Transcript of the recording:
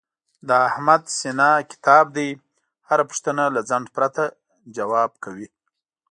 د احمد سینه کتاب دی، هره پوښتنه له ځنډ پرته ځواب کوي.